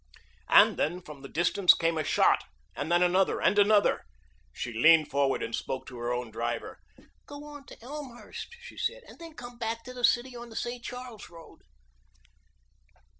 And then from the distance came a shot and then another and another. She leaned forward and spoke to her own driver. "Go on to Elmhurst," she said, "and then come back to the city on the St. Charles Road."